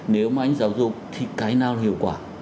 nếu mà anh giáo dục thì cái nào hiệu quả